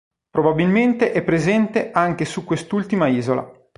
Probabilmente è presente anche su quest'ultima isola.